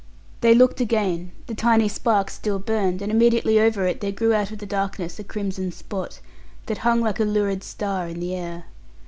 They looked again, the tiny spark still burned, and immediately over it there grew out of the darkness a crimson spot, that hung like a lurid star in the air.